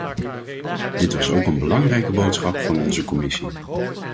Dit was ook een belangrijke boodschap van onze commissie.